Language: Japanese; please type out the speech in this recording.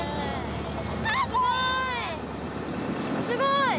すごい。